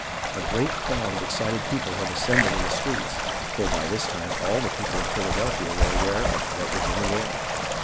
A great crowd of excited people had assembled in the streets, for by this time all the people of Philadelphia were aware of what was in the air.